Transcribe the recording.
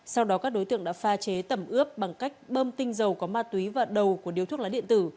sau đó các đối tượng đã pha chế tẩm ướp bằng cách bơm tinh dầu có ma túy và đầu của điếu thuốc lá điện tử